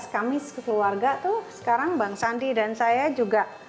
kami sekeluarga tuh sekarang bang sandi dan saya juga